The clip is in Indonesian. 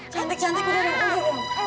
cantik cantik udah dan udah